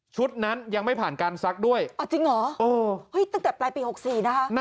นั้นยังไม่ผ่านการซักด้วยอ๋อจริงเหรอโอ้เฮ้ยตั้งแต่ปลายปี๖๔นะคะ